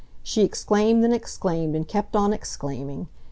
She exclaimed and exclaimed and kept on exclaiming!